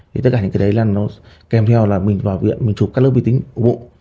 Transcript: thì tất cả những cái đấy là nó kèm theo là mình vào viện mình chụp các lớp vi tính ủng hộ